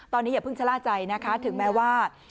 ตอนนี้อย่าเพิ่งชะล่าใจนะคะถึงแม้ว่า